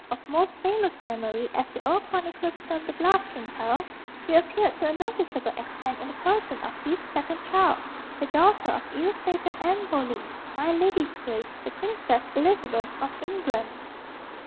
of Most Famous Memorye," as the old chronicles term the "bluff King Hal," reappeared to a noticeable extent in the person of his second child, the daughter of ill fated Anne Boleyn "my ladye's grace" the Princess Elizabeth of England.